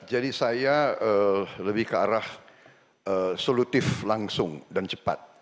jadi saya lebih ke arah solutif langsung dan cepat